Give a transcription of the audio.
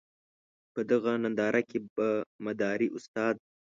په دغه ننداره کې به مداري استاد.